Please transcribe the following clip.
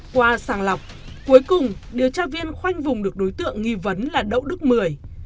qua sàng lọc cuối cùng điều tra viên khoanh vùng được đối tượng nghi vấn là đậu đức mười